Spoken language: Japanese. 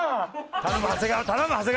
頼む長谷川頼む長谷川！